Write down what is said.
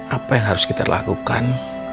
apa yang harus kita lakukan